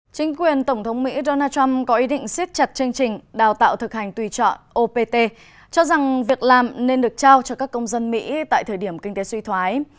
chính quyền tổng thống mỹ donald trump có ý định siết chặt chương trình đào tạo thực hành tùy chọn opt cho rằng việc làm nên được trao cho các công dân mỹ tại thời điểm kinh tế suy thoái